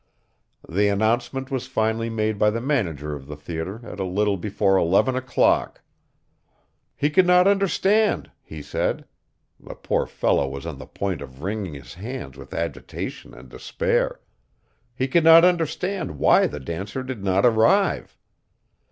The announcement was finally made by the manager of the theater at a little before eleven o'clock. He could not understand, he said the poor fellow was on the point of wringing his hands with agitation and despair he could not understand why the dancer did not arrive.